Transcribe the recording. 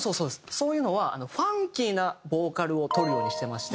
そういうのはファンキーなボーカルをとるようにしてまして。